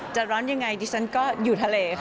ร้อนยังไงดิฉันก็อยู่ทะเลค่ะ